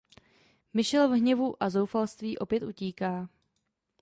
Michele v hněvu a zoufalství opět utíká.